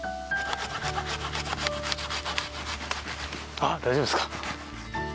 あっ大丈夫ですか？